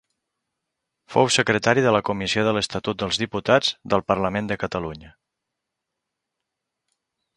Fou secretari de la Comissió de l'Estatut dels Diputats del Parlament de Catalunya.